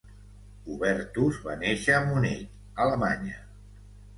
Hubertus va néixer a Munic, Alemanya.